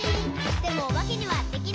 「でもおばけにはできない。」